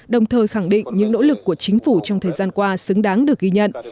đồng thời khẳng định những nỗ lực của chính phủ trong thời gian qua xứng đáng được ghi nhận